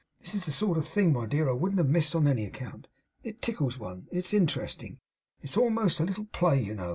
'This is the sort of thing, my dear, I wouldn't have missed on any account. It tickles one. It's interesting. It's almost a little play, you know.